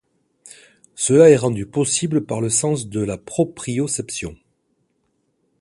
Cela est rendu possible par le sens de la proprioception.